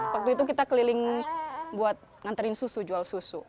waktu itu kita keliling buat nganterin susu jual susu